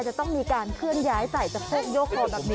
จะต้องมีการขึ้นย้ายใส่จัดเซ็กโยกคอมันแบบนี้